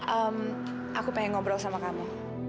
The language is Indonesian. hmm aku pengen ngobrol sama kamu